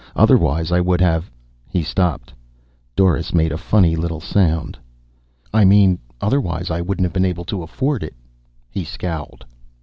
Otherwise I wouldn't have " He stopped. Doris made a funny little sound. "I mean, otherwise I wouldn't have been able to afford it." He scowled.